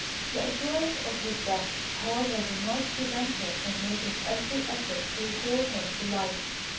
The assurance of his death, however, did not prevent her from making every effort to recall him to life.